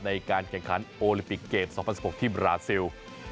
ในการแข่งขันโอลิปิกเกม๒๐๑๖ที่บราซิล